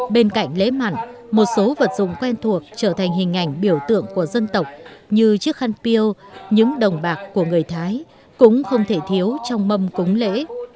bên cạnh lễ mặn một số vật dụng quen thuộc trở thành hình ảnh biểu tượng của dân tộc như chiếc khăn piêu những đồng bạc của người thái cũng không thể thiếu trong mâm cúng lễ